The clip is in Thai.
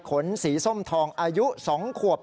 ขนสีส้มทองอายุ๒ขวบ